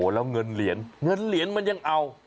แล้วเงินเหรียญมันยังเอา